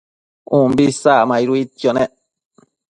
umbi isacmaiduidquio nec